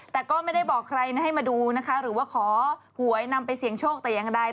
แต่ก็ไม่ได้บอกใครนะให้มาดูนะคะหรือว่าขอหวยนำไปเสี่ยงโชคแต่อย่างใด